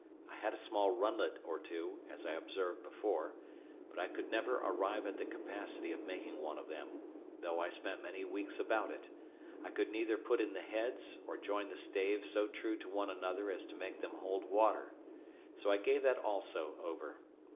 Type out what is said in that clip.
I had a small runlet or two, as I observed before; but I could never arrive at the capacity of making one by them, though I spent many weeks about it; I could neither put in the heads, or join the staves so true to one another as to make them hold water; so I gave that also over.